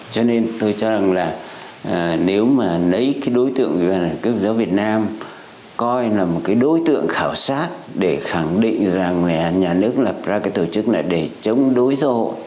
cho nên tôi cho rằng là nếu mà lấy cái đối tượng của các giáo việt nam coi là một cái đối tượng khảo sát để khẳng định rằng nhà nước lập ra cái tổ chức này để chống đối giáo hội